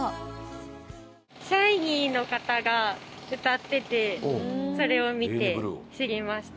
ＳＨＩＮｅｅの方が歌っててそれを見て知りました。